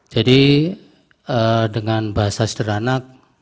jadi dengan bahasa sederhana